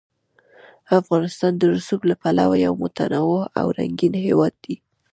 افغانستان د رسوب له پلوه یو متنوع او رنګین هېواد دی.